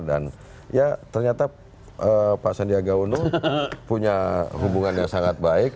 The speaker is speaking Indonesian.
dan ya ternyata pak sandiaga uno punya hubungannya sangat baik